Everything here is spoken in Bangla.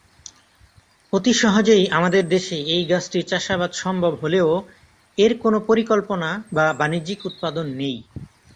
অতি সহজেই আমাদের দেশে এই গাছটির চাষাবাদ সম্ভব হলেও এর কোন পরিকল্পনা বা বাণিজ্যিক উৎপাদন নেই।